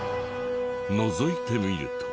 のぞいてみると。